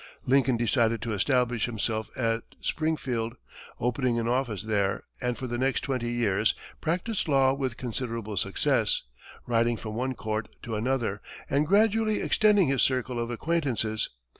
Lincoln decided to establish himself at Springfield, opened an office there, and for the next twenty years, practised law with considerable success, riding from one court to another, and gradually extending his circle of acquaintances.